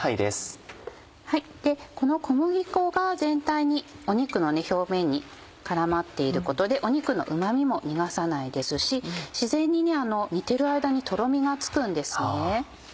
この小麦粉が全体に肉の表面に絡まっていることで肉のうま味も逃がさないですし自然に煮ている間にとろみがつくんですね。